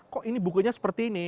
kok ini bukunya seperti ini